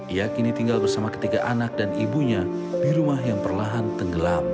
ia kini tinggal bersama ketiga anak dan ibunya di rumah yang perlahan tenggelam